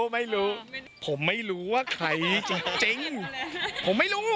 ไม่รู้ผมไม่รู้ว่าใครจริงผมไม่รู้